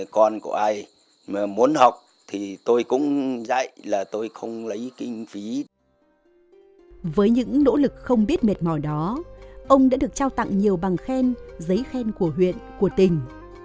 với những nỗ lực không biết mệt mỏi đó ông đã được trao tặng nhiều bằng khen giấy khen của huyện của tỉnh